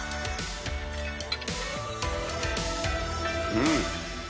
うん！